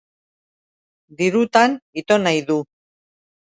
Dirutan ito nahi du.